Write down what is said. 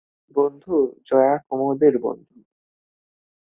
বন্ধু, জয়া কুমুদের বন্ধু।